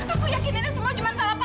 aku yakin ini semua cuma salah paham